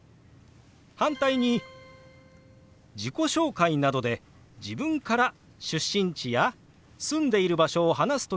反対に自己紹介などで自分から出身地や住んでいる場所を話す時もありますよね。